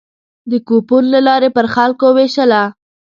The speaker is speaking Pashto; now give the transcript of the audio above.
د کوپون له لارې پر خلکو وېشله.